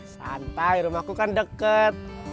santai rumahku kan deket